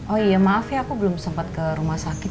oh iya maaf ya aku belum sempat ke rumah sakit